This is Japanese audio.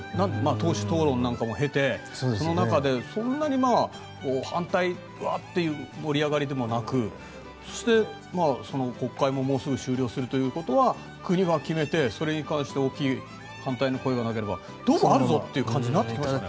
党首討論なんかも経てその中で、そんなに反対という盛り上がりでもなくそして、国会ももうすぐ終了するということは国が決めて、それに関して大きい反対の声がなければどうもあるぞという感じになってきましたよね。